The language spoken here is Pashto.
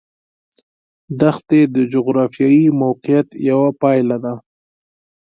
دښتې د جغرافیایي موقیعت یوه پایله ده.